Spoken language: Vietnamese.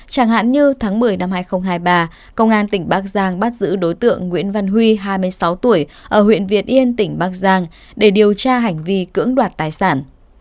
chẳng hạn như tháng một mươi năm hai nghìn hai mươi ba công an tỉnh bắc giang bắt giữ đối tượng nguyễn văn huy hai mươi sáu tuổi ở huyện việt yên tỉnh bắc giang để điều tra hành vi cưỡng đoạt tài sản